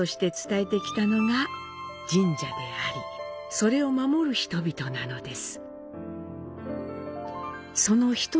それを守る人々なのです。